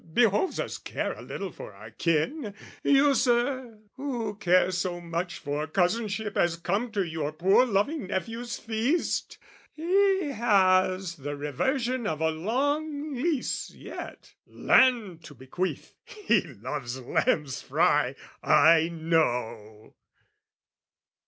"Behoves us care a little for our kin "You, Sir, who care so much for cousinship "As come to your poor loving nephew's feast!" He has the reversion of a long lease yet Land to bequeath! He loves lamb's fry, I know!